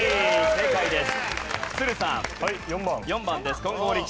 正解です。